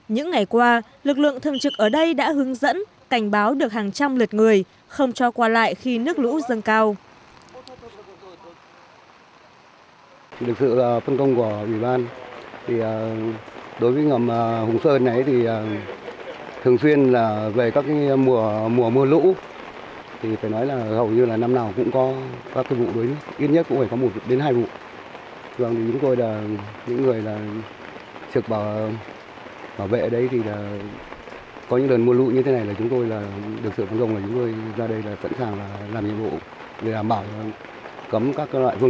những ngày qua lực lượng thường trực ở đây đã hướng dẫn cảnh báo được hàng trăm lượt người không cho qua lại khi nước lũ dâng cao